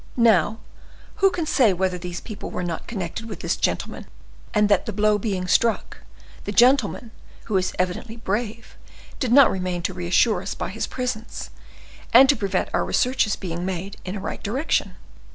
Now, who can say whether these people were not connected with this gentleman; and that, the blow being struck, the gentleman, who is evidently brave, did not remain to reassure us by his presence, and to prevent our researches being made in a right direction?"